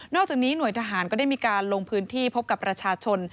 อกจากนี้หน่วยทหารก็ได้มีการลงพื้นที่พบกับประชาชน